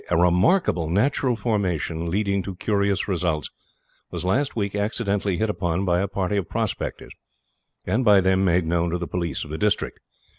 A remarkable natural formation, leading to curious results, was last week accidentally hit upon by a party of prospectors, and by them made known to the police of the district.